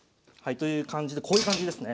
という感じでこういう感じですね。